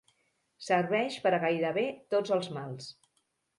Serveix per a gairebé tots els mals.